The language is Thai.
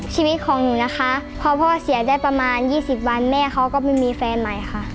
ชีวิตของหนูนะคะพอพ่อเสียได้ประมาณ๒๐วันแม่เขาก็ไม่มีแฟนใหม่ค่ะ